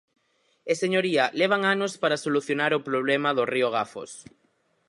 E, señoría, levan anos para solucionar o problema do río Gafos.